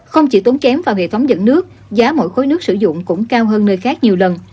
không chỉ tốn kém vào hệ thống dẫn nước giá mỗi khối nước sử dụng cũng cao hơn nơi khác nhiều lần